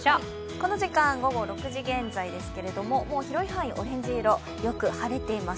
この時間午後６時現在ですけれども、もう広い範囲、オレンジ色、よく晴れています。